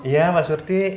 iya mbak surti